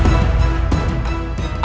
gusti yang agung